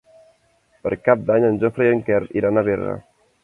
Per Cap d'Any en Jofre i en Quer iran a Berga.